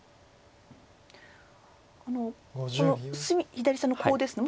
左下のコウですね。